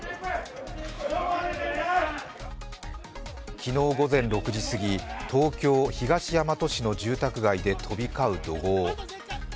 昨日午前６時過ぎ、東京・東大和市の住宅街で飛び交う怒号。